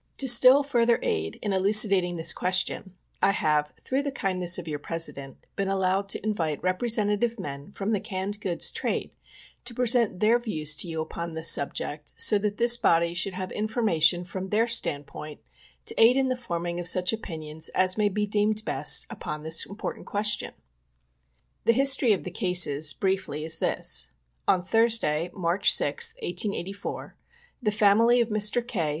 To still further aid in elucidating this question, I have, through the kindness of your President, been allowed to invite representative men from the canned goods trade to present their views to you upon this subject, so that this body should have information from their standpoint to aid in the forming of such opinions as may be deemed best upon this important question. The history of the cases, briefly, is this : On Thursday, March 6th, 1884, the family of Mr. K.